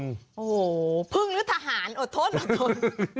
โอ้โหพึ่งหรือทหารอดทนอดทน